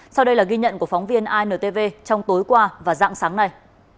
sau đây là ghi nhận của phóng viên intv trong tối qua và dạng sáng nay